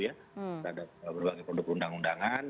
ada berbagai produk undang undangan